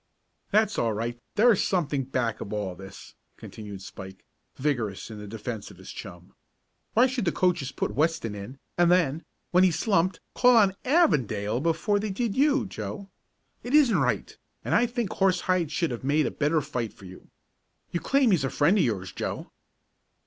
"That's all right, there's something back of all this," continued Spike, vigorous in defence of his chum. "Why should the coaches put Weston in, and then, when he slumped, call on Avondale before they did you, Joe? It isn't right, and I think Horsehide should have made a better fight for you. You claim he's a friend of yours, Joe."